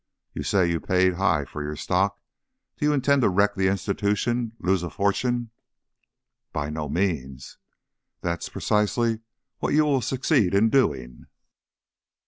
You say you paid high for your stock; do you intend to wreck the institution, lose a fortune ?" "By no means." "That's precisely what you will succeed in doing."